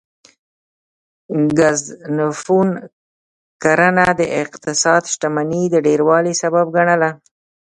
ګزنفون کرنه د اقتصادي شتمنۍ د ډیروالي سبب ګڼله